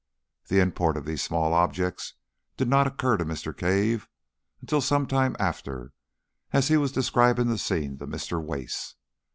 The import of these small objects did not occur to Mr. Cave until some time after, as he was describing the scene to Mr. Wace.